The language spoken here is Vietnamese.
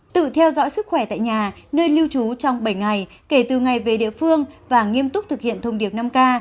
tự theo dõi sức khỏe tại nhà nơi lưu trú trong bảy ngày kể từ ngày về địa phương và nghiêm túc thực hiện thông điệp năm k